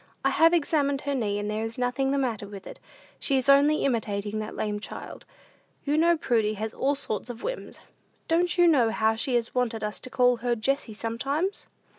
"I have examined her knee, and there is nothing the matter with it. She is only imitating that lame child. You know Prudy has all sorts of whims. Don't you know how she has wanted us to call her Jessie sometimes?"